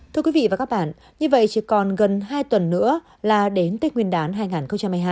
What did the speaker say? thưa quý vị và các bạn như vậy chỉ còn gần hai tuần nữa là đến tết nguyên đán hai nghìn hai mươi hai